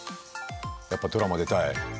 やっぱドラマ出たい？